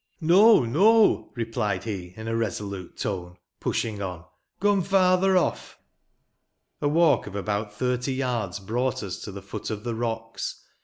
No, no I" replied he in a resolute tone, pushing on; "come farther off." A walk of about thirty yards brought us to the foot of the rocks.